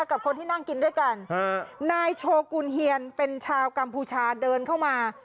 กับคนที่นั่งกินด้วยกันนายโชกุลเฮียนเป็นชาวกัมพูชาเดินเข้ามา